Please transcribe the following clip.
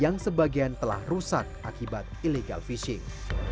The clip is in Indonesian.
yang sebagian telah rusak akibat illegal fishing